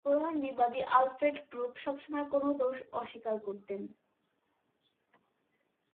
প্রধান বিবাদী Alfred Krupp সবসময় কোন দোষ অস্বীকার করতেন।